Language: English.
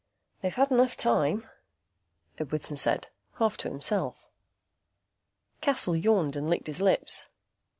"They've had enough time," Edwardson said, half to himself. Cassel yawned and licked his lips.